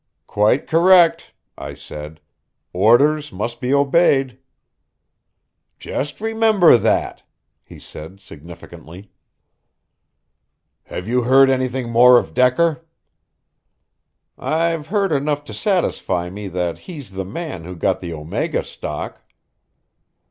"Quite correct," I said. "Orders must be obeyed." "Just remember that," he said significantly. "Have you heard anything more of Decker?" "I've heard enough to satisfy me that he's the man who got the Omega stock."